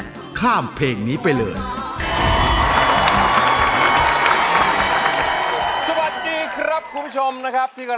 รายการต่อปีนี้เป็นรายการทั่วไปสามารถรับชมได้ทุกวัย